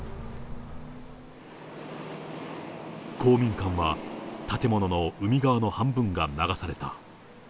公民館は、建物の海側の半分が流された。